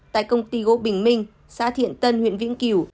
tại công ty gỗ bình minh xã thiện tân huyện vĩnh cửu